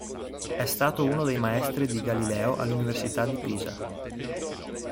È stato uno dei maestri di Galileo all'università di Pisa.